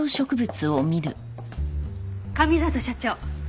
上里社長！